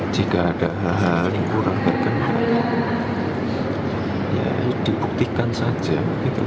jika ada hal hal yang kurang terkenal ya dibuktikan saja